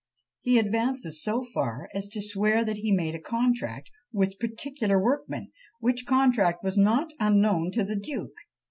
He advances so far, as to swear that he made a contract with particular workmen, which contract was not unknown to the duke.